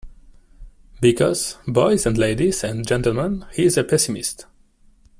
Because, boys and ladies and gentlemen, he is a pessimist.